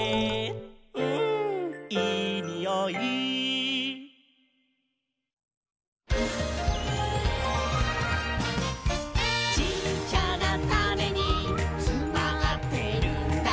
「うんいいにおい」「ちっちゃなタネにつまってるんだ」